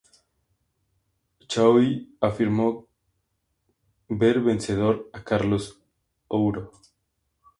Choi afirmó ver vencedor a Carlos Ouro.